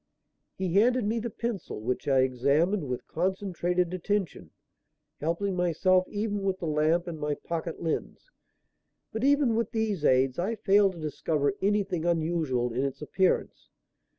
He handed me the pencil, which I examined with concentrated attention, helping myself even with the lamp and my pocket lens. But even with these aids I failed to discover anything unusual in its appearance.